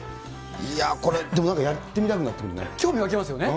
いやぁ、これ、でもなんかやって見たくなってくるよね。